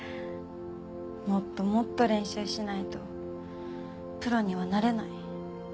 もっともっと練習しないとプロにはなれない。